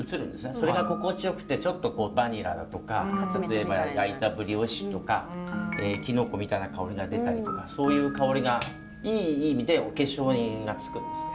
それが心地よくてちょっとバニラだとか焼いたブリオッシュとかキノコみたいな香りが出たりとかそういう香りがいい意味でお化粧がつくんですね。